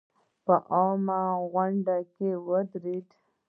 په عامه غونډه کې ودرېد.